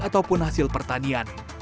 ataupun hasil pertanian